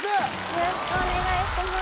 よろしくお願いします